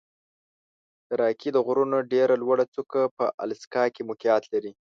د راکي د غرونو ډېره لوړه څوکه په الاسکا کې موقعیت لري.